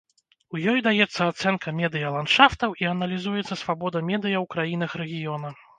У ёй даецца ацэнка медыяландшафтаў і аналізуецца свабода медыя ў краінах рэгіёна.